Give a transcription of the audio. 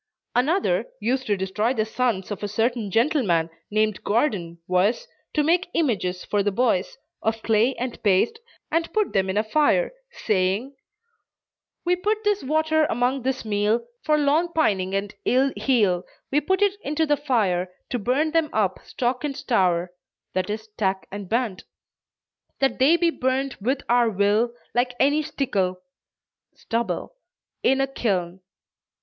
Another, used to destroy the sons of a certain gentleman named Gordon was, to make images for the boys, of clay and paste, and put them in a fire, saying: "We put this water among this meal For long pining and ill heal, We put it into the fire To burn them up stock and stour (i. e. stack and band.) That they be burned with our will, Like any stikkle (stubble) in a kiln."